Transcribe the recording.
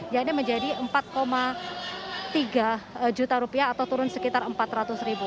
yang ini menjadi empat tiga juta rupiah atau turun sekitar empat ratus ribu